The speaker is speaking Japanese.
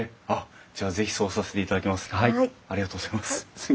じゃあ是非そうさせていただきます。